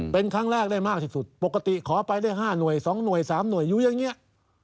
เป็นครั้งแรกได้มากที่สุดปกติขอไปได้๕หน่วย๒หน่วย๓หน่วยอยู่อย่างนี้